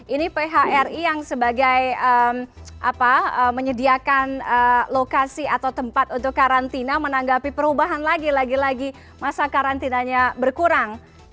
ini phri yang sebagai menyediakan lokasi atau tempat untuk karantina menanggapi perubahan lagi lagi masa karantinanya berkurang